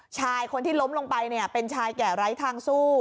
ชายคนที่ล้มลงไปเนี่ยเป็นชายแก่ไร้ทางสู้